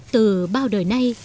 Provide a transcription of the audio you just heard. từ bao đời nay